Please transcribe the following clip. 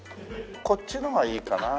こっちのがいいかな？